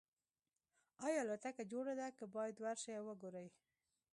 ایا الوتکه جوړه ده که باید ورشئ او وګورئ